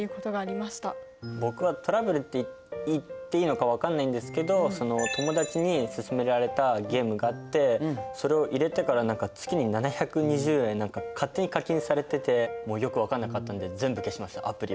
僕はトラブルって言っていいのか分かんないんですけどその友達に勧められたゲームがあってそれを入れてから何か月に７２０円勝手に課金されててもうよく分かんなかったんで全部消しましたアプリを一回。